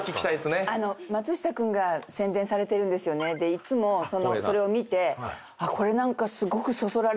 いつもそれを見てこれ何か。